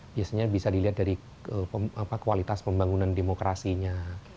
itu ya biasanya bisa dilihat dari kualitas pembangunan demokrasinya